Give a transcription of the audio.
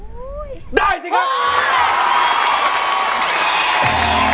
อุ้ยได้จริงค่ะ